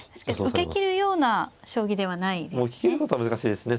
受けきるような将棋ではないですね。